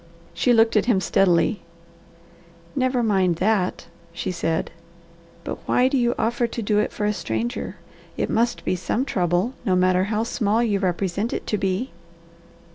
She looked at him steadily. "Never mind that," she said. "But why do you offer to do it for a stranger? It must be some trouble, no matter how small you represent it to be."